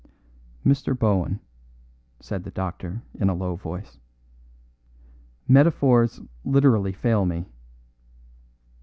"Mr. Bohun," said the doctor in a low voice, "metaphors literally fail me.